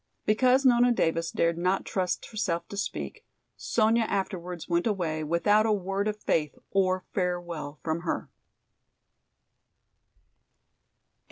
Because Nona Davis dared not trust herself to speak, Sonya afterwards went away without a word of faith or farewell from her.